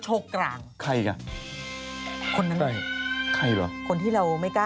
จากกระแสของละครกรุเปสันนิวาสนะฮะ